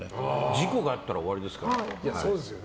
事故があったら終わりですから。